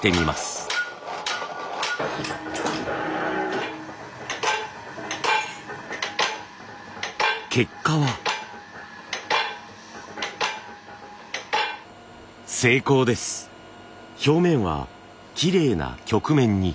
表面はきれいな曲面に。